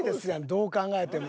どう考えても。